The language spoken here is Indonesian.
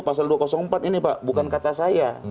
pasal dua ratus empat ini pak bukan kata saya